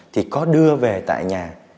thì có đưa về tại nhà